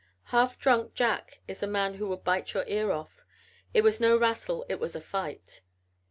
Half drunk Jack is a man who would bite your ear off. It was no rassle; it was a fight.